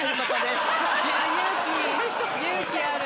勇気ある。